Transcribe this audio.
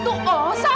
atau ber hunter lain